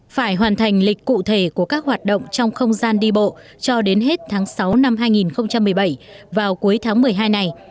phải hoàn thành lịch cụ thể của các hoạt động trong không gian đi bộ cho đến hết tháng sáu năm hai nghìn một mươi bảy vào cuối tháng một mươi hai này